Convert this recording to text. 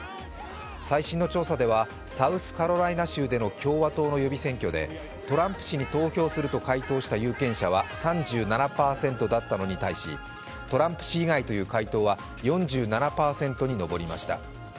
最新の調査では、サウスカロライナ州での共和党の予備選挙でトランプ氏に投票すると回答した有権者は３７％だったのに対しトランプ氏以外という回答は４７％にのぼりました。